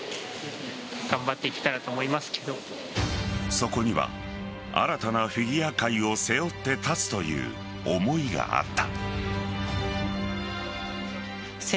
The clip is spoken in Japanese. そこには新たなフィギュア界を背負って立つという思いがあった。